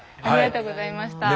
ありがとうございます。